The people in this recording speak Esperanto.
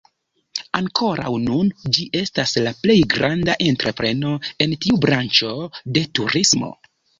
Ankoraŭ nun ĝi estas la plej granda entrepreno en tiu branĉo de turismo.